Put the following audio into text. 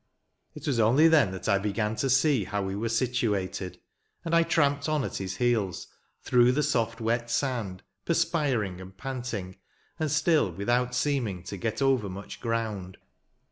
It was only then that I began, 10 to see how we were situated ; and I tramped on at his heels, through the soft wet sand, perspiring and panting, and still without seeming to get over much ground.